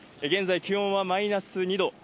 現在、気温はマイナス２度。